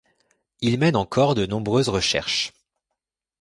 Il mène encore de nombreuses recherches.